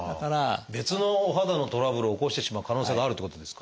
別のお肌のトラブルを起こしてしまう可能性があるってことですか。